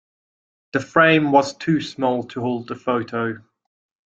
The frame was too small to hold the photo.